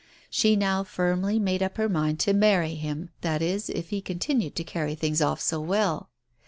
She now firmly made up her mind to marry him, that is, if he continued to carry things off so well.